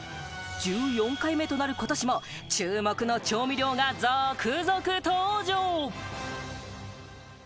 １４回目となる、今年も注目の調味料が続々登場！